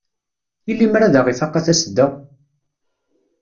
I limer ad aɣ-ifaq a Tasedda?